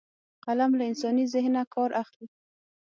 قلم له انساني ذهنه کار اخلي